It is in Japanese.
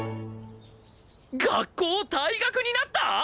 学校を退学になった！？